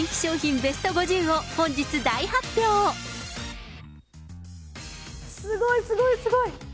ベスト５０を、すごい、すごい、すごい。